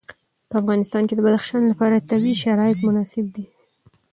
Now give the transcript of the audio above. په افغانستان کې د بدخشان لپاره طبیعي شرایط مناسب دي.